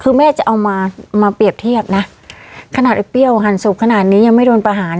คือแม่จะเอามามาเปรียบเทียบนะขนาดไอ้เปรี้ยวหั่นศพขนาดนี้ยังไม่โดนประหาร